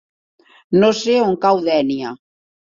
No sé on cau Dénia.